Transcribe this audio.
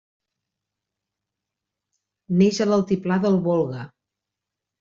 Neix a l'altiplà del Volga.